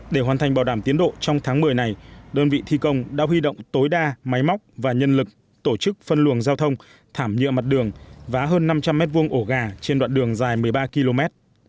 để hoàn thành bảo đảm tiến độ trong tháng một mươi này đơn vị thi công đã huy động tối đa máy móc và nhân lực tổ chức phân luồng giao thông thảm nhựa mặt đường vá hơn năm trăm linh m hai ổ gà trên đoạn đường dài một mươi ba km